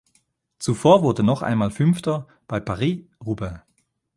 Zuvor wurde noch einmal Fünfter bei Paris–Roubaix.